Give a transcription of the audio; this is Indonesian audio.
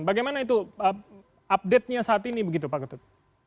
bagaimana itu update nya saat ini begitu pak ketut